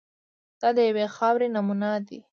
دا د یوې خاورې نومونه دي.